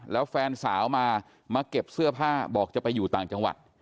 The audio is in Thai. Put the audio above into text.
แล้วแฟนสาวมามาเก็บเสื้อผ้าบอกจะไปอยู่ต่างจังหวัด